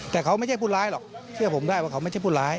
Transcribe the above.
แต่เขาไม่ใช่ผู้ร้ายหรอกเชื่อผมได้ว่าเขาไม่ใช่ผู้ร้าย